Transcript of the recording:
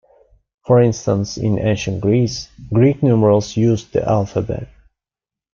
For instance in Ancient Greece, Greek numerals used the alphabet.